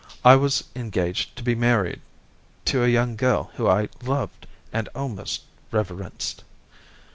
I was engaged to be married to a young girl whom I loved and almost reverenced.